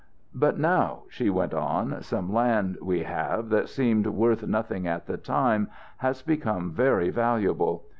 "But now," she went on, "some land we have that seemed worth nothing at the time has become very valuable.